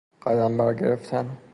قدم بر گرفتن